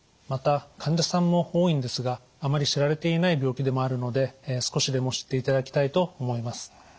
また患者さんも多いんですがあまり知られていない病気でもあるので少しでも知っていただきたいと思います。